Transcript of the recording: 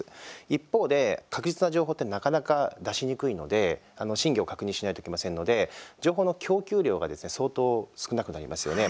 一方で、確実な情報ってなかなか出しにくいので真偽を確認しないといけませんので情報の供給量がですね相当、少なくなりますよね。